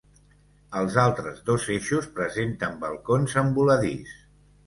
Els altres dos eixos presenten balcons en voladís.